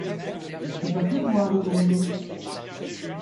Est-ce qu’il va pleuvoir aujourd’hui ?